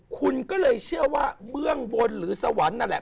คุณก็เลยเชื่อว่าเบื้องบนหรือสวรรค์นั่นแหละ